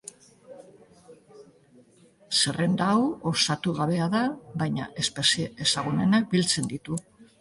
Zerrenda hau osatu gabea da, baina espezie ezagunenak biltzen ditu.